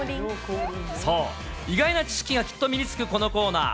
そう、意外な知識がきっと身につくこのコーナー。